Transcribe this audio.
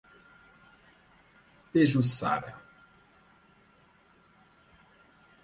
Pejuçara